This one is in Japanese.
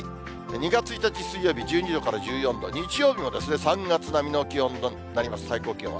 ２月１日水曜日、１２度から１４度、日曜日も３月並みの気温となります、最高気温は。